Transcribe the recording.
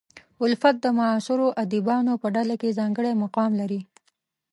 الفت د معاصرو ادیبانو په ډله کې ځانګړی مقام لري.